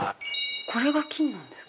◆これが菌なんですか。